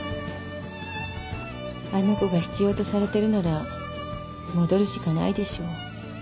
あの子が必要とされてるなら戻るしかないでしょう。